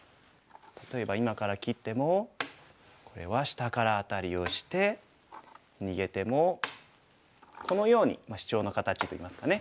例えば今から切ってもこれは下からアタリをして逃げてもこのようにシチョウの形といいますかね。